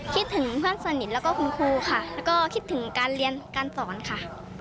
คิดถึงเพื่อนสนิทแล้วก็คุณครูค่ะแล้วก็คิดถึงการเรียนการสอนค่ะ